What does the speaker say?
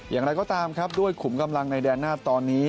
อย่างไรก็ตามครับด้วยขุมกำลังในแดนหน้าตอนนี้